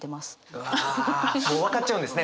うわもう分かっちゃうんですね